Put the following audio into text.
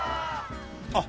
あっ。